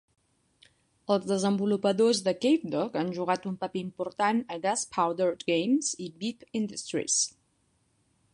Els desenvolupadors de Cavedog han jugat un paper important a Gas Powered Games i Beep Industries.